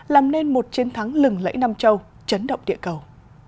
làm nên một chiến thắng lừng lẫy nam châu chấn động địa cầu